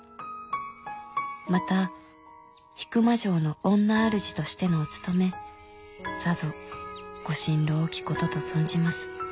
また引間城のおんな主としてのお勤めさぞご心労多きことと存じます。